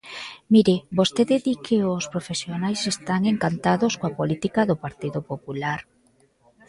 Mire, vostede di que os profesionais están encantados coa política do Partido Popular.